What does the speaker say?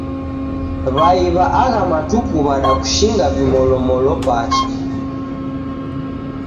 W'ai w'a agha matuku w'adakushinga vimolomolo pacha.